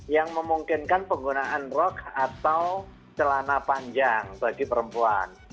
yang memungkinkan penggunaan rock atau celana panjang bagi perempuan